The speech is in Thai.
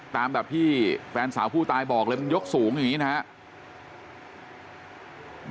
ตามแบบที่แฟนสาวผู้ตายบอกเลยมันยกสูงอย่างนี้นะครับ